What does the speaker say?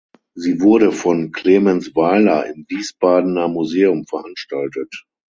Sie wurde von Clemens Weiler im Wiesbadener Museum veranstaltet.